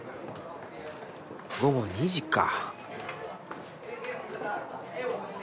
午後２時か。